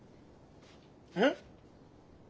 えっ？